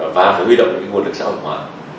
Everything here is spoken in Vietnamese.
và phải huy động những nguồn lực giáo học hóa